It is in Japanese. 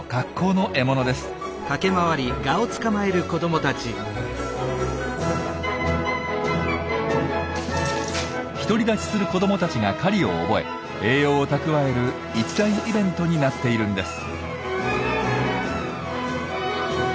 独り立ちする子どもたちが狩りを覚え栄養を蓄える一大イベントになっているんです。